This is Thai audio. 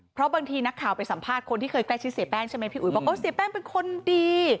เพราะบางทีนักข่าวไปสัมภาษณ์คนที่เคยใกล้ชิดเสียแป้งใช่ไหมพี่อุ๋ยบอกโอ้เสียแป้งเป็นคนดี